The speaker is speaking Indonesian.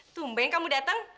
tumben kamu datang